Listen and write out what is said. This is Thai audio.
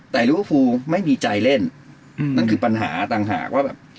แต่ลิเวอร์ฟูไม่มีใจเล่นนั่นคือปัญหาต่างหากว่าแบบ